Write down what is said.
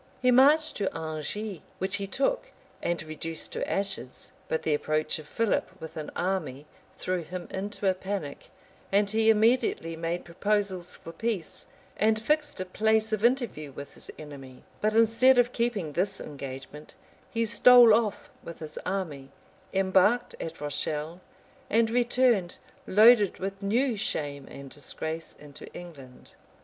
He marched to Angers, which he took and reduced to ashes. But the approach of Philip with an army threw him into a panic; and he immediately made proposals for peace, and fixed a place of interview with his enemy; but instead of keeping this engagement, he stole off with his army, embarked at Rochelle, and returned, loaded with new shame and disgrace, into England.